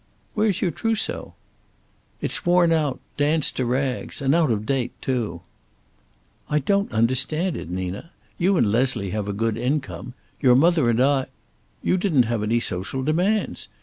"Where's your trousseau?" "It's worn out danced to rags. And out of date, too." "I don't understand it, Nina. You and Leslie have a good income. Your mother and I " "You didn't have any social demands.